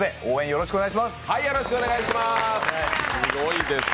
よろしくお願いします。